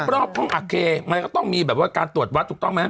รอบห้องอักเคมันก็ต้องมีแบบว่าการตรวจวัดถูกต้องไหม